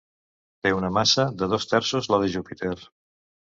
Té una massa de dos terços la de Júpiter.